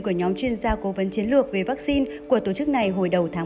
của nhóm chuyên gia cố vấn chiến lược về vaccine của tổ chức này hồi đầu tháng một mươi hai